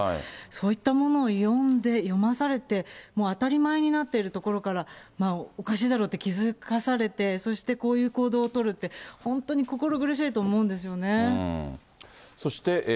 そういったものを読んで、読まされて、もう当たり前になっているところから、おかしいだろうって気付かされて、そしてこういう行動を取るって、本当に心苦しいと思うんですよね。